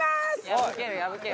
破ける破ける。